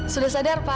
sudah sadar pak